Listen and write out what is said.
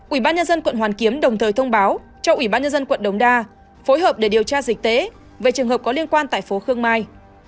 ubnd quận hoàn kiếm đồng thời thông báo cho ubnd quận đồng đa phối hợp để điều tra dịch tế về trường hợp có liên quan tại phố khương mai